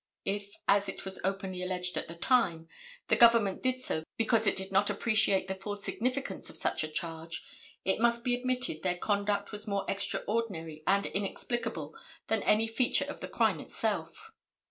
If, as it was openly alleged at the time, the government did so, because it did not appreciate the full significance of such a charge, it must be admitted their conduct was more extraordinary and inexplicable than any feature of the crime itself.